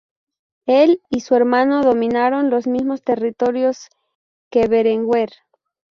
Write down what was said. El y el su hermano dominaron los mismos territorios que Berenguer.